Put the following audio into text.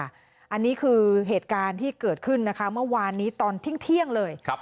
อันนี้คือเหตุการณ์ที่เกิดขึ้นนะคะเมื่อวานนี้ตอนเที่ยงเลย